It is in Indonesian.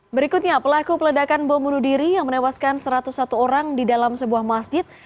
berikutnya pelaku peledakan bom bunuh diri yang menewaskan satu ratus satu orang di dalam sebuah masjid